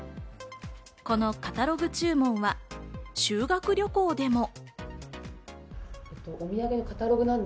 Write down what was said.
このカタログ注文は修学旅行でも。